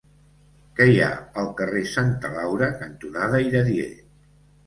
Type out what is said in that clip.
Què hi ha al carrer Santa Laura cantonada Iradier?